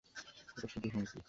এটা শুধু হুমকি।